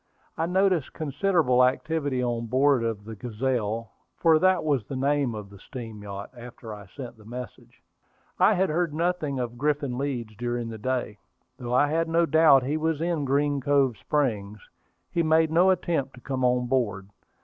I noticed considerable activity on board of the Gazelle, for that was the name of the steam yacht, after I sent the message. I had heard nothing of Griffin Leeds during the day. Though I had no doubt he was in Green Cove Springs, he made no attempt to come on board.